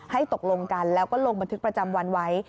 ตกลงกันแล้วก็ลงบันทึกประจำวันไว้